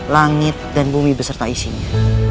langit dan bumi beserta isinya